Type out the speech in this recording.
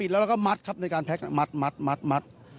แล้วก็มัดครับในการแพ็กมัดมัดมัดมัด